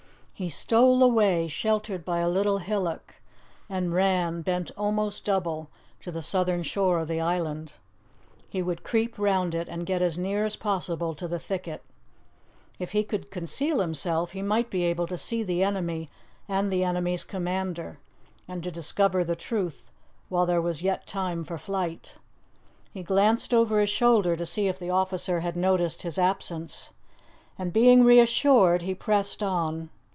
He stole away, sheltered by a little hillock, and ran, bent almost double, to the southern shore of the island. He would creep round it and get as near as possible to the thicket. If he could conceal himself, he might be able to see the enemy and the enemy's commander, and to discover the truth while there was yet time for flight. He glanced over his shoulder to see if the officer had noticed his absence, and being reassured, he pressed on.